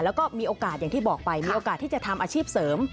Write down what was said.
แล้วก็มีโอกาสอย่างที่บอกไปมีโอกาสที่จะทำอาชีพเสริม